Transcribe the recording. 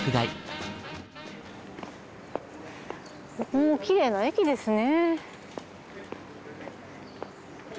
ここもきれいな駅ですね。